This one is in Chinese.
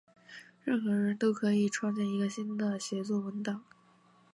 任何人都可以创建一个新的协作文档。